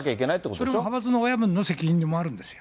それ派閥の親分の責任でもあるんですよ。